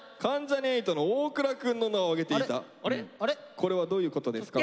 これはどういうことですかと。